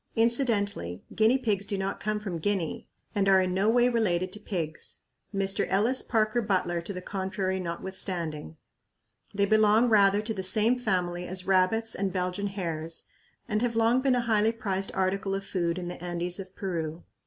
Incidentally guinea pigs do not come from Guinea and are in no way related to pigs Mr. Ellis Parker Butler to the contrary notwithstanding! They belong rather to the same family as rabbits and Belgian hares and have long been a highly prized article of food in the Andes of Peru.